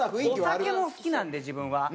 お酒も好きなんで自分は。